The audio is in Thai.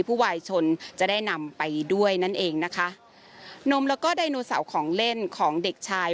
ผู้วายชนจะได้นำไปด้วยนั่นเองนะคะนมแล้วก็ไดโนเสาร์ของเล่นของเด็กชาย